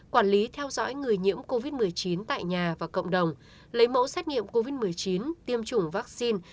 quản lý theo dõi người nhiễm covid một mươi chín tại nhà và cộng đồng lấy mẫu xét nghiệm covid một mươi chín tiêm chủng vaccine